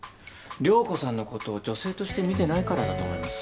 涼子さんのことを女性として見てないからだと思います。